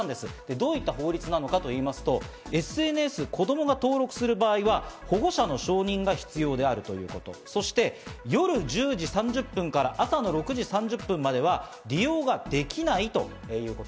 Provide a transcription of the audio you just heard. どういった法律なのかと言いますと、ＳＮＳ、子供が登録する際は、保護者の承認が必要である、そして夜１０時３０分から朝の６時３０分までは、利用ができないということ。